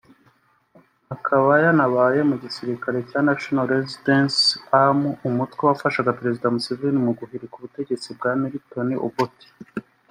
Akaba yanabaye mu gisirikare cya National Resistance Army umutwe wafashije Perezida Museveni guhirika ubutegetsi bwa Milton Obote